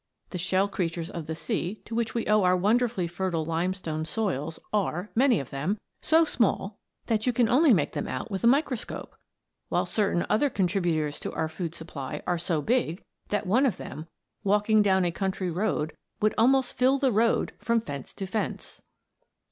The shell creatures of the sea to which we owe our wonderfully fertile limestone soils are many of them so small that you can only make them out with a microscope; while certain other contributors to our food supply were so big that one of them, walking down a country road, would almost fill the road from fence to fence.